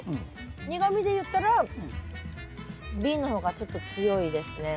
苦みで言ったらＢの方がちょっと強いですね。